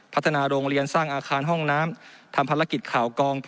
พัฒนาโรงเรียนสร้างอาคารห้องน้ำทำภารกิจข่าวกอง